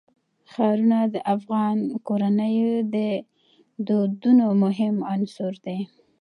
ښارونه د افغان کورنیو د دودونو مهم عنصر دی.